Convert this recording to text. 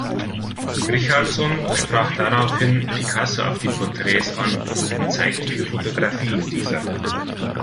Richardson sprach daraufhin Picasso auf die Porträts an und zeigte ihm Fotografien dieser.